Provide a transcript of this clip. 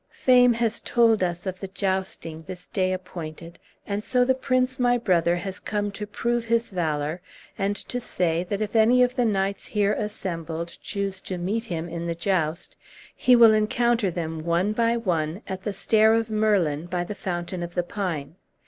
Fame has told us of the jousting this day appointed, and so the prince my brother has come to prove his valor, and to say that, if any of the knights here assembled choose to meet him in the joust, he will encounter them, one by one, at the stair of Merlin, by the Fountain of the Pine.